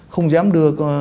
không dám đưa